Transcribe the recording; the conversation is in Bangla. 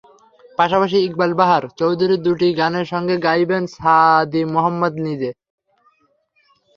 পাশাপাশি ইকবাল বাহার চৌধুরীর দুটি গানের সঙ্গে গাইবেন সাদী মহম্মদ নিজে।